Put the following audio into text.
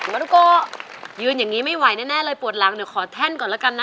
มารุโกยืนอย่างนี้ไม่ไหวแน่เลยปวดหลังเดี๋ยวขอแท่นก่อนแล้วกันนะ